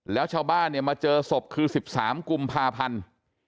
แล้วชาวบ้านเนี่ยมาเจอศพคือ๑๓กลุ่มพรายชีวิตภาพันธุ์